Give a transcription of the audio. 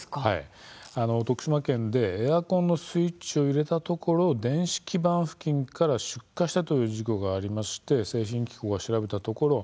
徳島県でエアコンのスイッチを入れたところ電子基板付近から出火したという事故がありまして製品機構が調べたところ